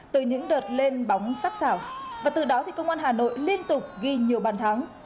từ những đợt lên bóng sắc xảo và từ đó thì công an hà nội liên tục ghi nhiều bàn thắng